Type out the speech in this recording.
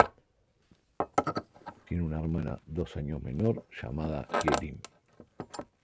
Tiene una hermana dos años menor llamada Hye-rim.